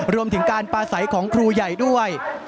รวมถึงการปลาใสของครูใหญ่ด้วย